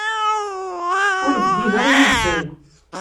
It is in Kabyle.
Ur bdideɣ yid-sen.